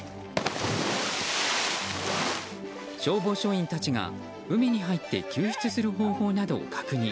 消防署員たちが、海に入って救出する方法などを確認。